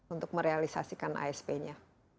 untuk merealisasikan asp nya